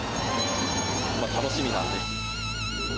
楽しみなので。